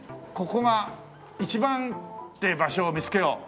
「ここがいちばん、って場所を見つけよう」。